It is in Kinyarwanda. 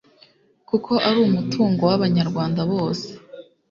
kuko ari umutungo w’abanyarwanda bose.